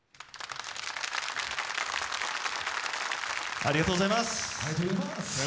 ありがとうございます。